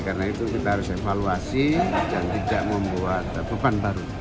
karena itu kita harus evaluasi dan tidak membuat beban baru